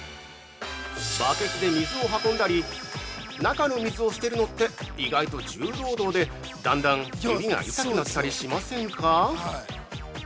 バケツで水を運んだり中の水を捨てるのって意外と重労働で、だんだん指が痛くなったりしませんか？